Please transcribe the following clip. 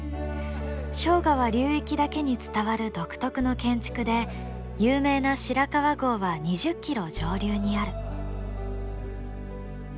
庄川流域だけに伝わる独特の建築で有名な白川郷は２０キロ上流にある。